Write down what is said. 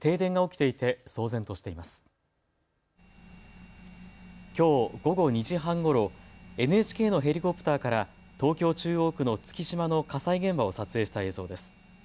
きょう午後２時半ごろＮＨＫのヘリコプターから東京中央区の月島の火災現場を撮影した映像です。